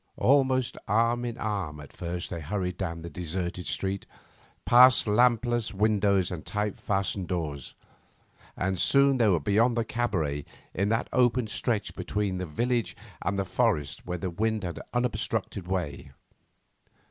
Almost arm in arm at first they hurried down the deserted street, past lampless windows and tight fastened doors, and soon were beyond the cabaret in that open stretch between the village and the forest where the wind had unobstructed way.